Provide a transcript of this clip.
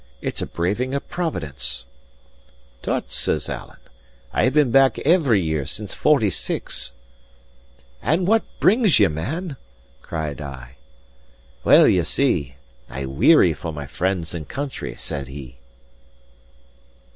It's a braving of Providence." "Tut!" says Alan, "I have been back every year since forty six!" "And what brings ye, man?" cried I. "Well, ye see, I weary for my friends and country," said he.